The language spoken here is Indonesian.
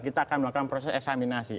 kita akan melakukan proses eksaminasi